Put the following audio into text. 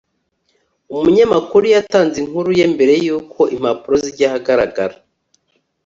umunyamakuru yatanze inkuru ye mbere yuko impapuro zijya ahagaragara